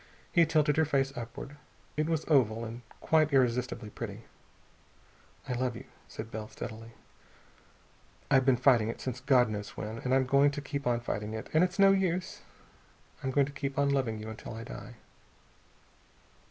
He tilted her face upward. It was oval and quite irresistibly pretty. "I love you," said Bell steadily. "I've been fighting it since God knows when, and I'm going to keep on fighting it and it's no use. I'm going to keep on loving you until I die."